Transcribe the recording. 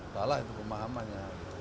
salah itu pemahamannya